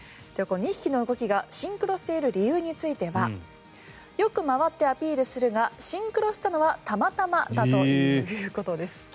２匹の動きがシンクロしている理由についてはよく回ってアピールするがシンクロしたのはたまたまだということです。